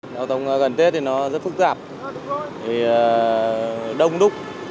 nó rất phức tạp đông đúc